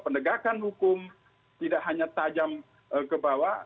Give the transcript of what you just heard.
penegakan hukum tidak hanya tajam ke bawah